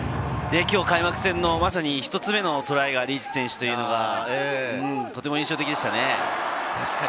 開幕戦のまさに１つ目のトライがリーチ選手というのがとても印象的でしたね。